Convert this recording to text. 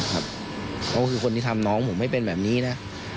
ครับเพราะว่าคนที่ทำน้องผมไม่เป็นแบบนี้นะ